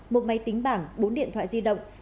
một máy tính bảng bốn điện thoại di động